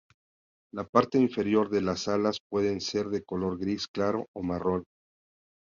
La parte inferior de las alas pueden ser de color gris claro o marrón.